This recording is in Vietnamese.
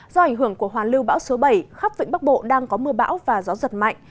do ảnh hưởng của hoàn lưu bão số bảy khắp vĩnh bắc bộ đang có mưa bão và gió giật mạnh